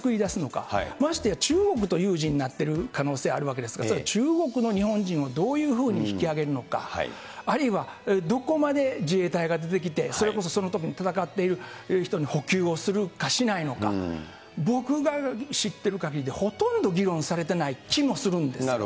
それをどう救い出すのか、ましてや中国と有事になってる可能性あるわけですから、それ、中国の日本人をどういうふうに引き上げるのか、あるいは、どこまで自衛隊が出てきて、それこそそのときに戦ってる人に補給をするかしないのか、僕が知っているかぎりで、ほとんど議論されてない気もするんです。